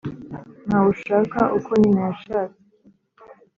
Ntawe ushaka uko nyina yashatse.